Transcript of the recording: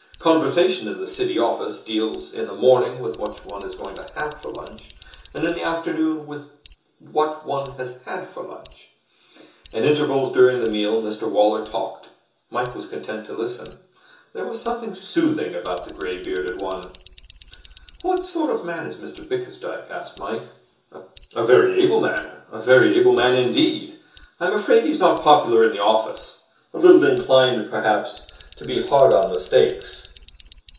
Conversation in city office deals, in the morning, with what one is going to have for lunch, and in the afternoon with what one has had for lunch. At intervals during the meal Mr Waller talked. Mike was content to listen. There was something soothing about the grey bearded one. 'What sort of a man is Bickersdyke?' asked Mike. 'A very able man. A very able man indeed. I'm afraid he's not popular in the office. A little inclined, perhaps, to be hard on mistakes.